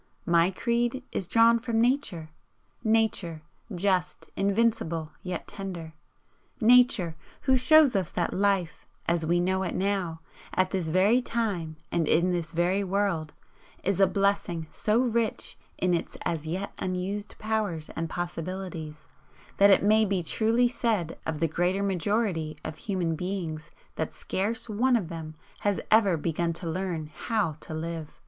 My creed is drawn from Nature Nature, just, invincible, yet tender Nature, who shows us that Life, as we know it now, at this very time and in this very world, is a blessing so rich in its as yet unused powers and possibilities, that it may be truly said of the greater majority of human beings that scarce one of them has ever begun to learn HOW to live.